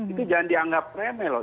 itu jangan dianggap remeh loh